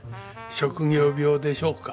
職業病でしょうか。